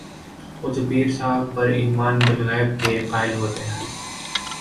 وہ تو پیر صاحب پر ایمان بالغیب کے قائل ہوتے ہیں۔